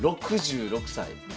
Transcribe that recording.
６６歳。